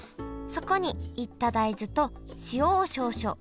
そこに煎った大豆と塩を少々。